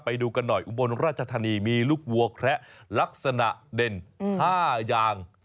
ไปดูกันหน่อยอุบลราชธานีมีลูกวัวแคระลักษณะเด่น๕อย่าง